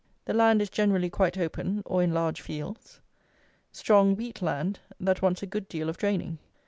The land is generally quite open, or in large fields. Strong, wheat land, that wants a good deal of draining.